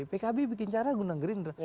pkb bikin acara undang gerindra